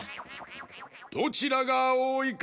どちらがおおいか